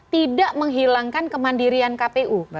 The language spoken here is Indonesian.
tidak menghilangkan kemandirian kpu